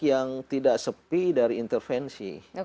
yang tidak sepi dari intervensi